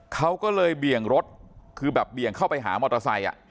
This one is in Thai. เขาก็เลยเบี่ยงรถคือแบบเบี่ยงเข้าไปหามอเตอร์ไซค์